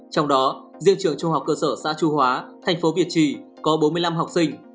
trong đó riêng trường trung học cơ sở xã trung hóa thành phố việt trì có bốn mươi năm học sinh